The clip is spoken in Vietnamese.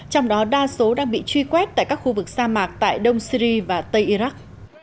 trong đó đa số đang bị truy quét tại các khu vực sa mạc tại đông syri và tây iraq